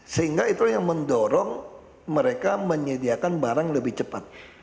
sehingga itu yang mendorong mereka menyediakan barang lebih cepat